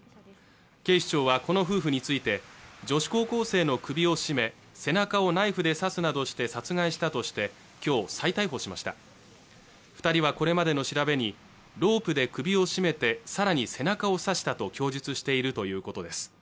警視庁はこの夫婦について女子高校生の首を絞め背中をナイフで刺すなどして殺害したとしてきょう再逮捕しました二人はこれまでの調べにロープで首を絞めて更に背中を刺したと供述しているということです